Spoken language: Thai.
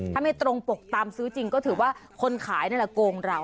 ถ้าไม่ตรงปกตามซื้อจริงก็ถือว่าคนขายนั่นแหละโกงเรา